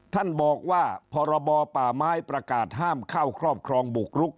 ท่านบอกว่าพรบป่าไม้ประกาศห้ามเข้าครอบครองบุกรุก